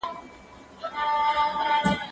زه کتابونه وړلي دي!؟